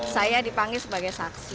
saya dipanggil sebagai saksi